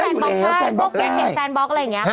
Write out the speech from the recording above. โปรเกตแซนบ็อคอะไรอย่างนี้ก็ได้